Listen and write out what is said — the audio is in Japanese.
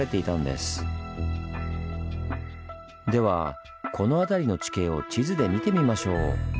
ではこの辺りの地形を地図で見てみましょう。